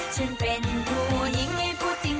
ฉันเป็นผู้หญิงไม่พูดจริง